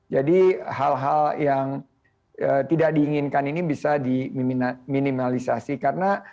jadi hal hal yang tidak diinginkan ini bisa diminimalisasi karena